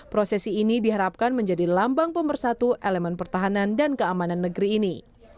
prosesi ini diharapkan menjadi lambang pemersatu elemen pertahanan dan keamanan negeri ini